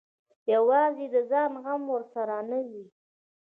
یوازې د ځان غم ورسره نه وي.